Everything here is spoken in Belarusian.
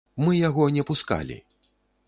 Мы яго не пускалі.